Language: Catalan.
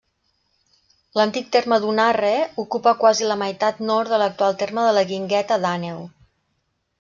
L'antic terme d'Unarre ocupa quasi la meitat nord de l'actual terme de la Guingueta d'Àneu.